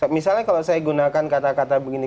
misalnya kalau saya gunakan kata kata begini